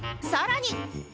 さらに